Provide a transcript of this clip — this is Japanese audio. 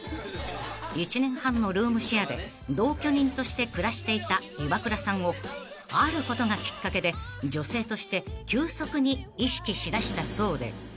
［１年半のルームシェアで同居人として暮らしていたイワクラさんをあることがきっかけで女性として急速に意識しだしたそうで］